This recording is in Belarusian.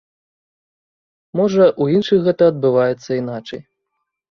Можа, у іншых гэтае адбываецца іначай.